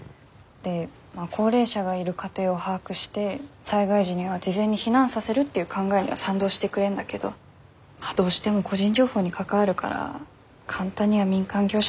でまあ高齢者がいる家庭を把握して災害時には事前に避難させるっていう考えには賛同してくれんだけどどうしても個人情報に関わるから簡単には民間業者とは連携できないって。